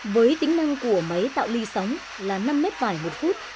với tính năng của máy tạo ly sóng là năm mét vải một phút